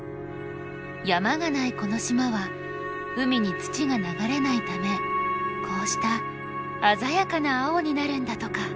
山がないこの島は海に土が流れないためこうした鮮やかな青になるんだとか。